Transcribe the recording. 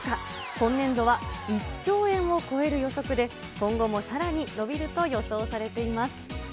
今年度は１兆円を超える予測で、今後もさらに伸びると予想されています。